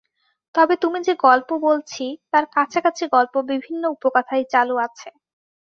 তবে তুমি যে-গল্প বলছি, তার কাছাকাছি গল্প বিভিন্ন উপকথায় চালু আছে।